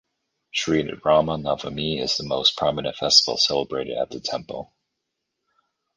Sri Rama Navami is the most prominent festival celebrated at the temple.